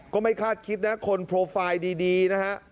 ก็ไม่คาดคิดนะคนโปรไฟล์ดีนะฮะ